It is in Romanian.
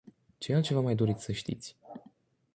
Ce altceva mai doriți să știți?